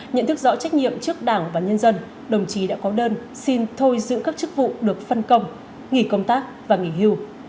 nhận thức rõ trách nhiệm trước đảng và nhân dân đồng chí đã có đơn xin thôi giữ các chức vụ được phân công nghỉ công tác và nghỉ hưu